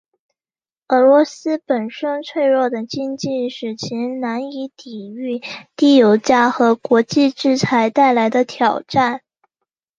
俄罗斯本身脆弱的经济使其难以抵御低油价和国际制裁带来的挑战。